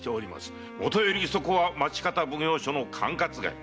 もとよりそこは町方奉行所の管轄外。